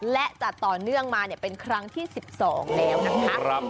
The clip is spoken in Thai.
และจะต่อเนื่องมาเนี่ยเป็นครั้งที่๑๒แล้วนะครับ